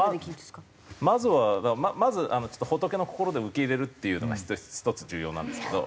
まずはまず仏の心で受け入れるっていうのが一つ重要なんですけど。